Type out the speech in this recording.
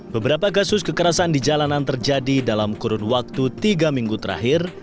beberapa kasus kekerasan di jalanan terjadi dalam kurun waktu tiga minggu terakhir